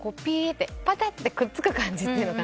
ぱたってくっつく感じというのかな？